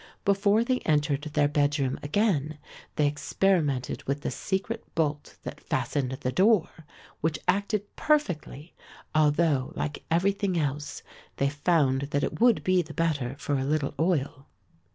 Before they entered their bedroom again they experimented with the secret bolt that fastened the door, which acted perfectly, although, like everything else, they found that it would be the better for a little oil.